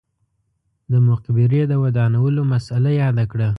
د مقبرې د ودانولو مسئله یاده کړه.